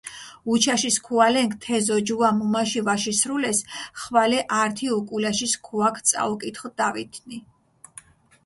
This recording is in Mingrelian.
უჩაში სქუალენქ თე ზოჯუა მუმაში ვაშისრულეს, ხვალე ართი უკულაში სქუაქ წაუკითხჷ დავითნი.